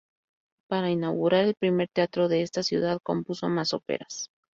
Para inaugurar el primer teatro de esta ciudad, compuso más óperas.